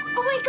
makasih ya tapi